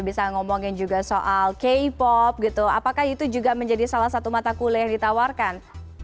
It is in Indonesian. bisa ngomongin juga soal k pop gitu apakah itu juga menjadi salah satu mata kuliah yang ditawarkan